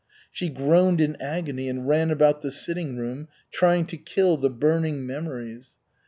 She groaned in agony, and ran about the sitting room, trying to kill the burning memories.